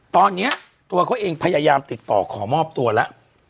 ตอนนี้ตัวเขาเองพยายามติดต่อขอมอบตัวแล้ว